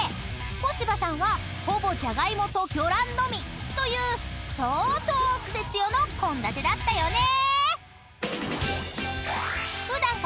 ［小芝さんはほぼじゃがいもと魚卵のみという相当癖強の献立だったよね］